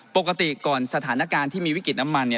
ปกติก่อนสถานการณ์ที่มีวิกฤตน้ำมัน